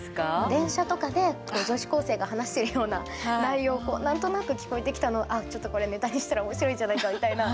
電車とかで女子高生が話しているような内容を何となく聞こえてきたのをあっちょっとこれネタにしたら面白いんじゃないかみたいな。